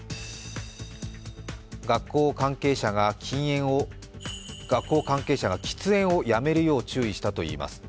学校関係者が、喫煙をやめるよう注意したといいます。